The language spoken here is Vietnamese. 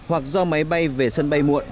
hoặc do máy bay về sân bay muộn